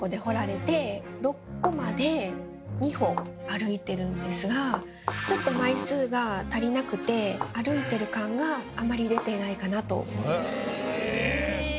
歩いてるんですがちょっと枚数が足りなくて歩いてる感があんまり出てないかなと。